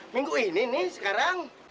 minggu ini nih sekarang